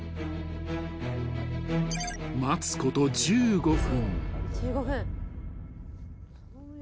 ［待つこと１５分］